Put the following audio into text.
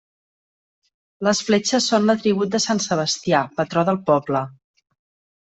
Les fletxes són l'atribut de sant Sebastià, patró del poble.